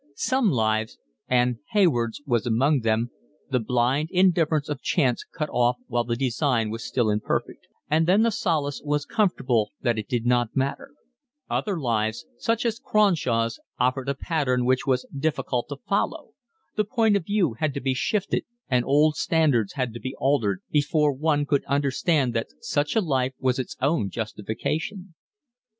Some lives, and Hayward's was among them, the blind indifference of chance cut off while the design was still imperfect; and then the solace was comfortable that it did not matter; other lives, such as Cronshaw's, offered a pattern which was difficult to follow, the point of view had to be shifted and old standards had to be altered before one could understand that such a life was its own justification.